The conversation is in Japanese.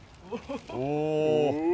お。